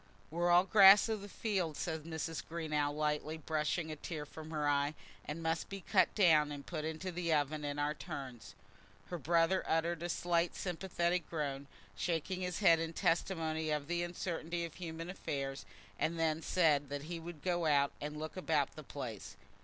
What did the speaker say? "We're all grass of the field," said Mrs. Greenow, lightly brushing a tear from her eye, "and must be cut down and put into the oven in our turns." Her brother uttered a slight sympathetic groan, shaking his head in testimony of the uncertainty of human affairs, and then said that he would go out and look about the place.